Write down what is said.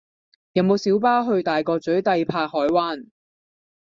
有無小巴去大角嘴帝柏海灣